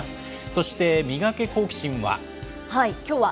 そして、ミガケ、好奇心！は。